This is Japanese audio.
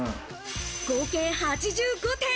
合計８５点。